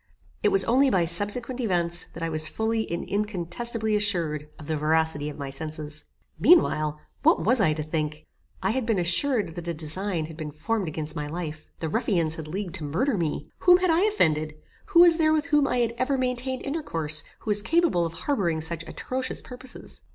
It was only by subsequent events, that I was fully and incontestibly assured of the veracity of my senses. Meanwhile what was I to think? I had been assured that a design had been formed against my life. The ruffians had leagued to murder me. Whom had I offended? Who was there with whom I had ever maintained intercourse, who was capable of harbouring such atrocious purposes?